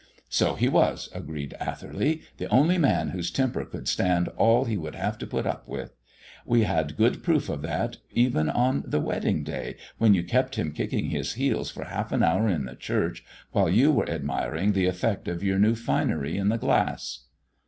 "So he was," agreed Atherley; "the only man whose temper could stand all he would have to put up with. We had good proof of that even on the wedding day, when you kept him kicking his heels for half an hour in the church while you were admiring the effect of your new finery in the glass."